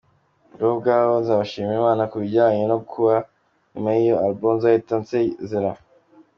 Bo ubwabo nzabagisha inama ku bijyanye no kuba nyuma y’iyo album nzahita nsezera.